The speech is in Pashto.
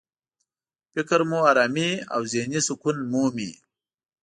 فکر مو ارامي او ذهني سکون مومي.